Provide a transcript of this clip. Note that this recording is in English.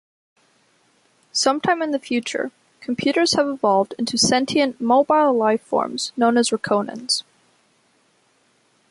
Sometime in the future, computers have evolved into sentient, mobile life-forms known as 'Rakonans'.